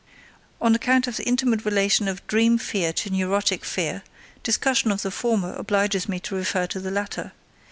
On account of the intimate relation of dream fear to neurotic fear, discussion of the former obliges me to refer to the latter.